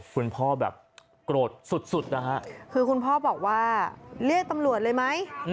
แบบโกรธสุดนะฮะคือคุณพ่อบอกว่าเรียกตำรวจเลยไหม